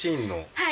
はい。